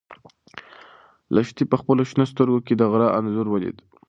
لښتې په خپلو شنه سترګو کې د غره انځور ولید.